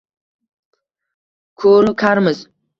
Ko’ru karmiz